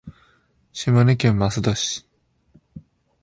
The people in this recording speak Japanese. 島根県益田市